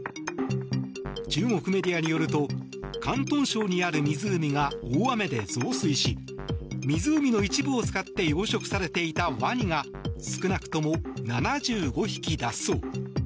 中国メディアによると広東省にある湖が大雨で増水し湖の一部を使って養殖されていたワニが少なくとも７５匹脱走。